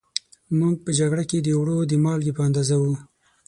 موږ په جگړه کې د اوړو د مالگې په اندازه وو